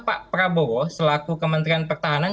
pak prabowo selaku kementerian pertahanan